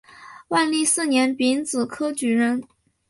万历四年丙子科举人。